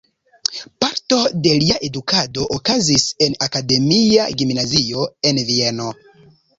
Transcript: Parto de lia edukado okazis en Akademia Gimnazio en Vieno.